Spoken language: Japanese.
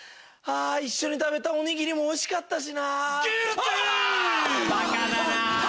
一緒に食べたおにぎりもおいしかったしなぁ。